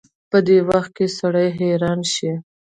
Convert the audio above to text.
په دې وخت کې سړی حيران شي.